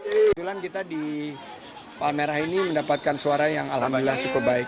kebetulan kita di palmerah ini mendapatkan suara yang alhamdulillah cukup baik